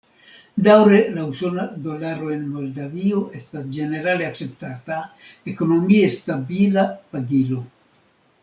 Daŭre la usona dolaro en Moldavio estas ĝenerale akceptata, ekonomie stabila pagilo.